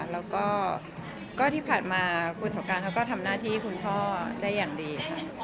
แล้วก็ที่ผ่านมาคุณสงการเขาก็ทำหน้าที่คุณพ่อได้อย่างดีค่ะ